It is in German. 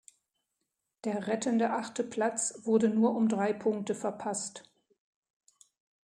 Der rettende achte Platz wurde nur um drei Punkte verpasst.